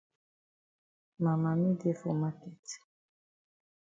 Ma mami dey for maket.